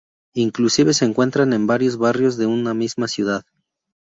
Inclusive se encuentran en varios barrios de una misma ciudad.